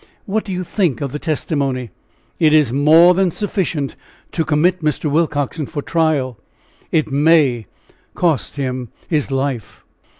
"What do you think of the testimony?" "It is more than sufficient to commit Mr. Willcoxen for trial; it may cost him his life."